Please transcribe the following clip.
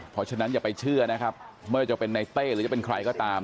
เพราะฉะนั้นอย่าไปเชื่อนะครับไม่ว่าจะเป็นในเต้หรือจะเป็นใครก็ตาม